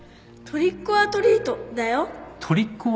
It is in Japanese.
トリックオアトリート？